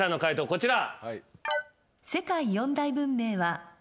こちら。